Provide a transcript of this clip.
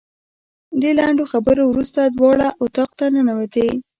د دې لنډو خبرو وروسته دواړه اتاق ته ننوتې.